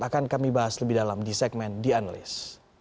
akan kami bahas lebih dalam di segmen dianlis